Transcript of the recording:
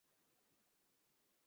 খুব সাবধান থাকবে।